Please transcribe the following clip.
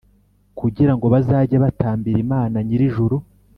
kugira ngo bazajye batambira Imana nyir ijuru